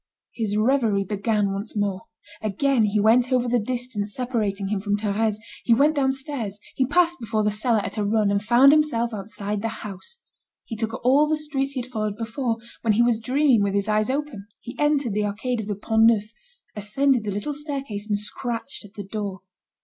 His reverie began once more. Again he went over the distance separating him from Thérèse: he went downstairs, he passed before the cellar at a run, and found himself outside the house; he took all the streets he had followed before, when he was dreaming with his eyes open; he entered the Arcade of the Pont Neuf, ascended the little staircase and scratched at the door.